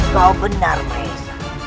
kau benar maesha